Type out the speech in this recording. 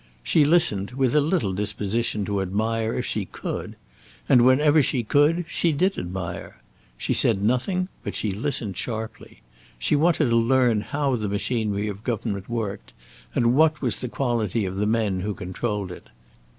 She listened with a little disposition to admire, if she could; and, whenever she could, she did admire. She said nothing, but she listened sharply. She wanted to learn how the machinery of government worked, and what was the quality of the men who controlled it.